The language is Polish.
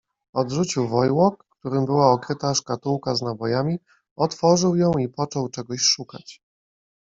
Odrzucił wojłok, którym była okryta szkatułka z nabojami, otworzył ją i począł czegoś szukać.